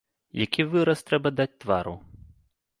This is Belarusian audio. Які выраз трэба даць твару?